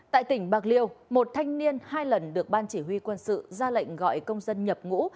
tại tỉnh bạc liêu một thanh niên hai lần được ban chỉ huy quân sự ra lệnh gọi công dân nhập ngũ